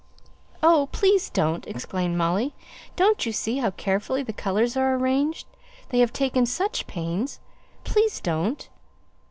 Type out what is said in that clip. "Oh, please, don't!" exclaimed Molly. "Don't you see how carefully the colours are arranged they have taken such pains; please, don't."